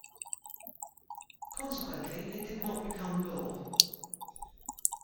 Consequently, it did not become law.